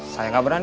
saya gak berani